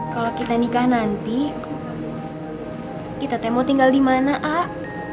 kalau kita nikah nanti kita teh mau tinggal di mana ah